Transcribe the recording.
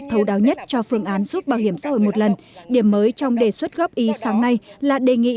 thấu đáo nhất cho phương án giúp bảo hiểm xã hội một lần điểm mới trong đề xuất góp ý sáng nay là đề nghị